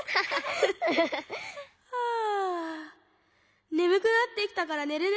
はあねむくなってきたからねるね。